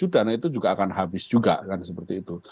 dana itu juga akan habis juga kan seperti itu